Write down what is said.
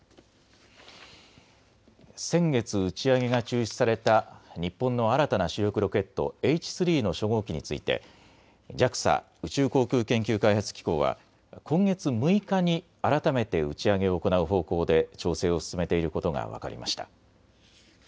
先月打ち上げが中止された日本の新たな主力ロケット、Ｈ３の初号機についてＪＡＸＡ・宇宙航空研究開発機構は今月６日に改めて打ち上げを行う方向で調整を進めていることが分かりました。